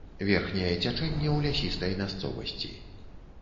Верхняе цячэнне ў лясістай мясцовасці.